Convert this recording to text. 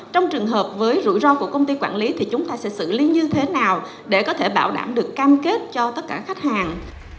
trong trường hợp với rủi ro của công ty quản lý thì chúng ta sẽ xử lý như thế nào để có thể bảo đảm được cam kết cho tất cả khách hàng